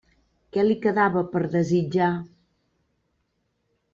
Què li quedava per desitjar?